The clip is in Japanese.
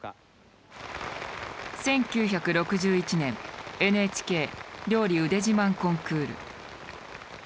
１９６１年「ＮＨＫ料理腕自慢コンクール」。